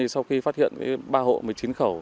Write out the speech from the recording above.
sau khi phát hiện ba hộ một mươi chín khẩu